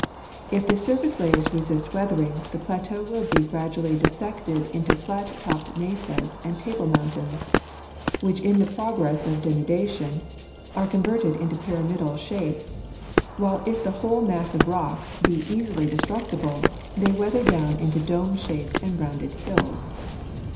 If the surface layers resist weathering, the plateau will be gradually dissected into flat topped mesas and table moun tains, which in the progress of denudation are converted into pyramidal shapes; while if the whole mass of rocks be easily destructible, they weather down into dome shaped and rounded hills.